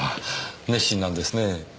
熱心なんですねぇ。